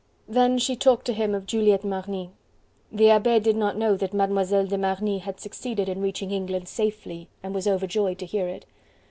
Then she talked to him of Juliette Marny. The Abbe did not know that Mlle. de Marny had succeeded in reaching England safely and was overjoyed to hear it.